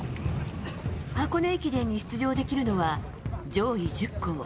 箱根駅伝に出場できるのは上位１０校。